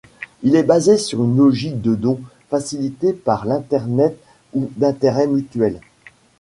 Il est basé sur une logique de don facilitée par l'Internet ou d'intérêt mutuel.